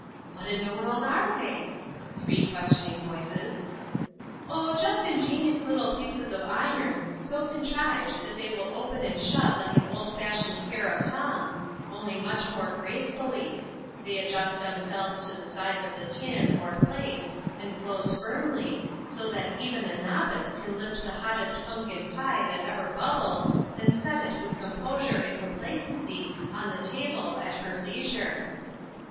" What in the world are they ?" Three questioning voices. " Oh, just ingenious little pieces of iron, so contrived that they will open and shut like an old fashioned pair of tongs, only much more gracefully ; they adjust themselves to the size of the tin, or plate, and close firmly, so that even a novice can lift the hottest pumpkin pie that ever bubbled, and set it with composure and complacency on the table at her leisure."